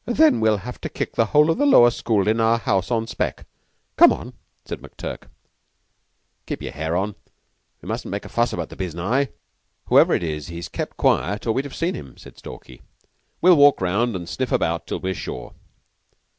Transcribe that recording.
"Then we'll have to kick the whole of the lower school in our house on spec. Come on," said McTurk. "Keep your hair on! We mustn't make a fuss about the biznai. Whoever it is he's kept quiet or we'd have seen him," said Stalky. "We'll walk round and sniff about till we're sure."